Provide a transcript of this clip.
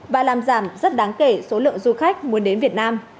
và làm giảm rất đáng kể số lượng du khách muốn đến việt nam